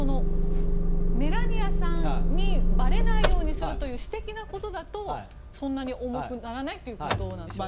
メラニアさんにばれないようにするという私的なことだとそんなに重くならないということなんでしょうか。